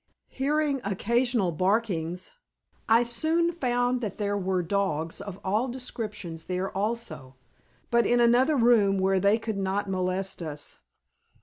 Hearing occasional barkings, I soon found that there were dogs of all descriptions there also, but in another room where they could not molest us.